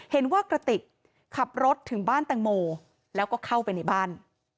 กระติกขับรถถึงบ้านแตงโมแล้วก็เข้าไปในบ้าน